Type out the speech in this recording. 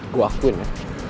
gue akuin ya